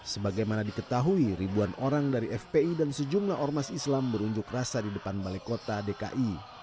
sebagaimana diketahui ribuan orang dari fpi dan sejumlah ormas islam berunjuk rasa di depan balai kota dki